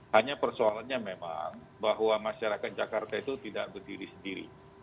hanya persoalannya memang bahwa masyarakat jakarta itu tidak berdiri sendiri